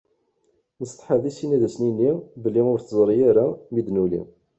Nessetḥa di sin ad as-nini belli ur tezṛi ara mi d-nuli.